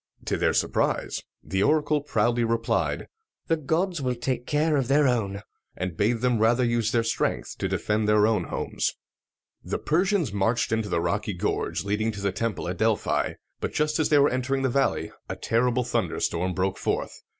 To their surprise, the oracle proudly replied, "The gods will take care of their own," and bade them rather use their strength to defend their own homes. The Persians marched into the rocky gorge leading to the temple at Delphi, but just as they were entering the valley a terrible thunderstorm broke forth.